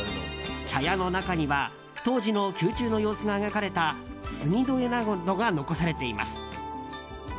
茶屋の中には当時の宮中の様子が描かれた杉戸絵などが残されています。